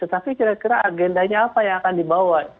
tetapi kira kira agendanya apa yang akan dibawa